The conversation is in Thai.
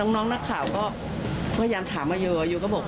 น้องน้องนักข่าวก็ถามอาโยว่า